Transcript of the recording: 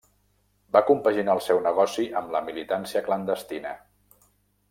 Va compaginar el seu negoci amb la militància clandestina.